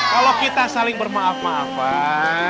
kalau kita saling bermaaf maafan